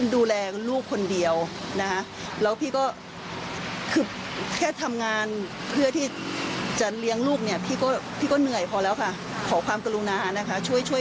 ช่วยออกข่าวให้เป็นกลางนิดหนึ่งค่ะ